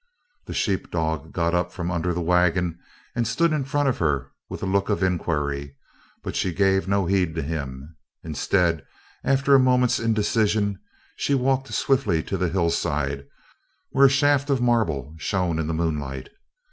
The sheep dog got up from under the wagon and stood in front of her with a look of inquiry, but she gave no heed to him; instead, after a moment's indecision, she walked swiftly to the hillside where a shaft of marble shone in the moonlight.